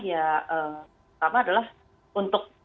ya pertama adalah untuk